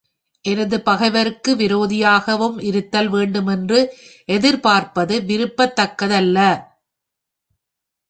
எனது பகைவருக்கு விரோதியாகவும் இருத்தல் வேண்டும் என்று எதிர்பார்ப்பது விரும்பத்தக்க தல்ல.